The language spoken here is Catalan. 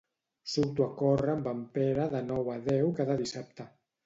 Surto a córrer amb en Pere de nou a deu cada dissabte.